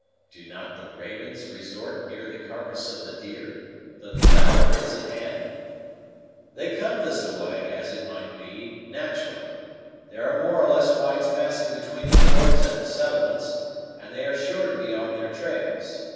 "Do not the ravens resort near the carcass of the deer, though the fowler is at hand? They come this a way, as it might be, naturally. There are more or less whites passing between the forts and the settlements, and they are sure to be on their trails.